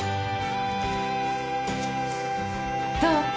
どう？